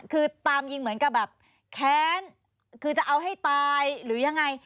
คือตามยิงเหมือนกับแบบแค้นคือจะเอาให้ตายหรือยังไง